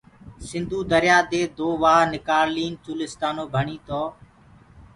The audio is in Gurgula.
سنڌو دريآ دي دو وآه نڪآݪنيٚ چولستآنيٚ ڀڻيٚ تو